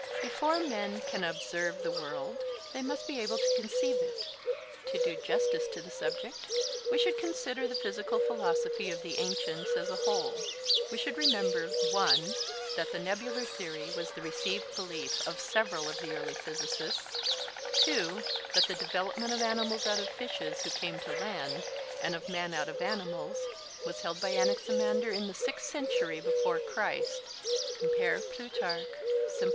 Before men can observe the world, they must be able to conceive it. To do justice to the subject, we should consider the physical philosophy of the ancients as a whole; we should remember, (1) that the nebular theory was the received belief of several of the early physicists; (2) that the development of animals out of fishes who came to land, and of man out of the animals, was held by Anaximander in the sixth century before Christ (Plut. Symp.